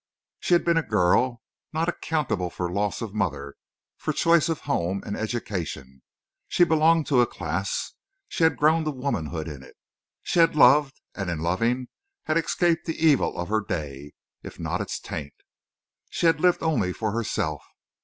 She had been a girl, not accountable for loss of mother, for choice of home and education. She had belonged to a class. She had grown to womanhood in it. She had loved, and in loving had escaped the evil of her day, if not its taint. She had lived only for herself.